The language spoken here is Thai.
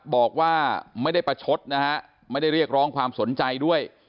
บอกว่าไม่ได้ประชดนะฮะไม่ได้เรียกร้องความสนใจด้วย